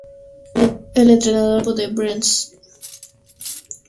El entrenador del equipo es Brent Hackman.